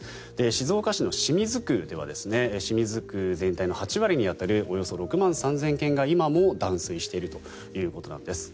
静岡市の清水区では清水区全体の８割に当たるおよそ６万３０００軒が今も断水しているということなんです。